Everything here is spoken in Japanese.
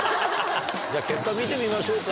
じゃあ結果見てみましょうか。